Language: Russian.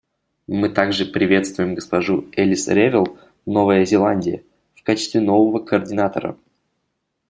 Мы также приветствуем госпожу Элис Ревел, Новая Зеландия, в качестве нового координатора.